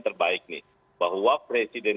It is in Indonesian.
terbaik nih bahwa presiden